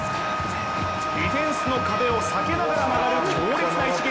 ディフェンスの壁を避けながら曲がる強烈な一撃。